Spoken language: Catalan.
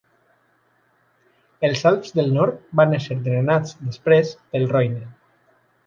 Els Alps del nord van ésser drenats després pel Roine.